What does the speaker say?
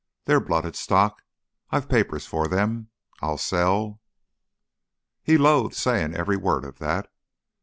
They're blooded stock. I've papers for them. I'll sell...." He loathed saying every word of that.